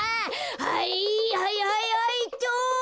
はいはいはいはいっと。